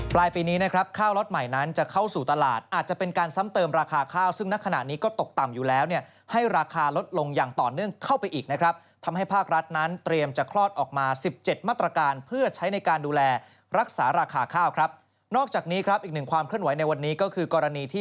ปลายปีนี้นะครับข้าวล็อตใหม่นั้นจะเข้าสู่ตลาดอาจจะเป็นการซ้ำเติมราคาข้าวซึ่งณขณะนี้ก็ตกต่ำอยู่แล้วเนี่ยให้ราคาลดลงอย่างต่อเนื่องเข้าไปอีกนะครับทำให้ภาครัฐนั้นเตรียมจะคลอดออกมา๑๗มาตรการเพื่อใช้ในการดูแลรักษาราคาข้าวครับนอกจากนี้ครับอีกหนึ่งความเคลื่อนไหวในวันนี้ก็คือกรณีที่